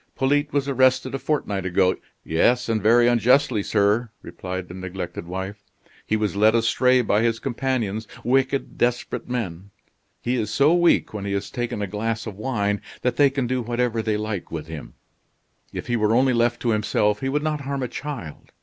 "Polyte was arrested a fortnight ago " "Yes, and very unjustly, sir," replied the neglected wife. "He was led astray by his companions, wicked, desperate men. He is so weak when he has taken a glass of wine that they can do whatever they like with him. If he were only left to himself he would not harm a child.